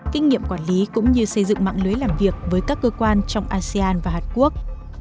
kinh nghiệm quản lý cũng như xây dựng mạng lưới làm việc với các cơ quan trong asean và hàn quốc